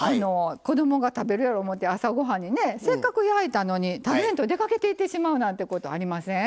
子どもが食べるやろ思って朝ごはんにせっかく焼いたのに食べんと出かけていってしまうなんてことありません？